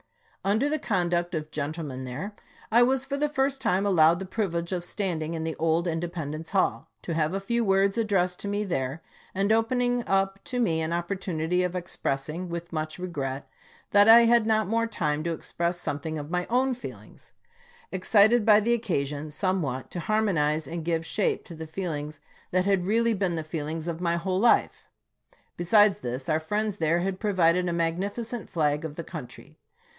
Under the conduct of gentlemen there, I was for the first time allowed the privilege of standing in the old Independence Hall, to have a few words addressed to me there, and opening up to me an opportunity of ex pressing, with much regret, that I had not more time to express something of my own feelings, excited by the occasion, somewhat to harmonize and give shape to the feelings that had really been the feelings of my whole life. Besides this, our friends there had provided a mag nificent flag of the country.